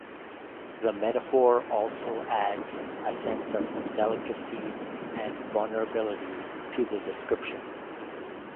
The metaphor also adds a sense of delicacy and vulnerability to the description.